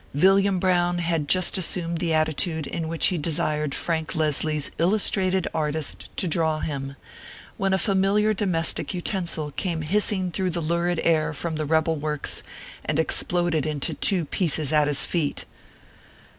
Villiam Brown had just assumed the attitude in which he desired Frank Leslie s Illustrated Artist to draw him, when a fami liar domestic utensil came hissing through the lurid air from the rebel works, and exploded in two pieces at his feet.